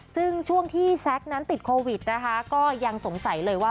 ซึ่งช่วงที่แซคนั้นติดโควิดนะคะก็ยังสงสัยเลยว่า